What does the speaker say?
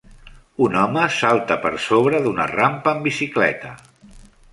Un home salta per sobre d'una rampa en bicicleta